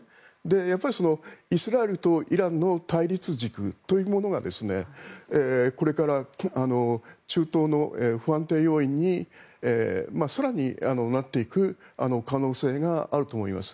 やっぱりイスラエルとイランの対立軸というものがこれから中東の不安定要因に更になっていく可能性があると思います。